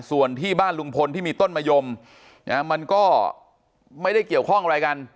ส่วนที่บ้านลุงพลที่มีต้นมะยมมันก็ไม่ได้เกี่ยวข้องอะไรกัน